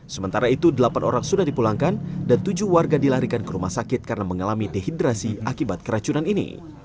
sementara itu delapan orang sudah dipulangkan dan tujuh warga dilarikan ke rumah sakit karena mengalami dehidrasi akibat keracunan ini